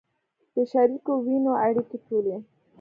د شریکو وینو اړیکې ټولې